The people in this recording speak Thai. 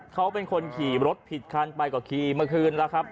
เขาเป็นคนขี่รถผิดคันไปก็ขี่เมื่อคืนแล้วครับ